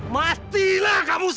matilah kamu semua